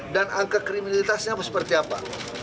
dan angka kriminalitasnya seperti apa